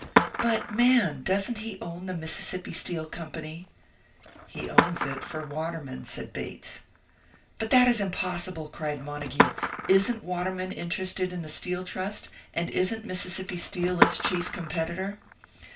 "But, man! Doesn't he own the Mississippi Steel Company?" "He owns it for Waterman," said Bates. "But that is impossible," cried Montague. "Isn't Waterman interested in the Steel Trust? And isn't Mississippi Steel its chief competitor?"